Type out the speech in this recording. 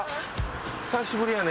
久しぶりやね。